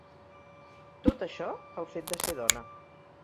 Tot això pel fet de ser dona.